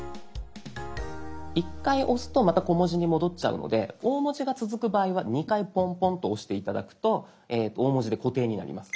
１回押すとまた小文字に戻っちゃうので大文字が続く場合は２回ポンポンと押して頂くと大文字で固定になります。